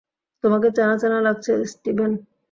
তোমাকে চেনা চেনা লাগছে, স্টিভেন।